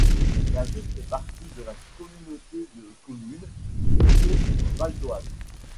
La ville fait partie de la communauté de communes du Haut Val-d'Oise.